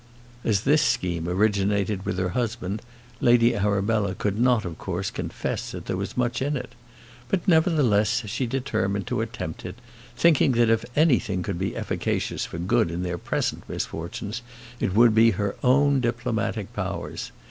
As this scheme originated with her husband, Lady Arabella could not, of course, confess that there was much in it. But, nevertheless, she determined to attempt it, thinking that if anything could be efficacious for good in their present misfortunes, it would be her own diplomatic powers.